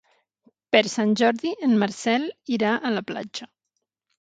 Per Sant Jordi en Marcel irà a la platja.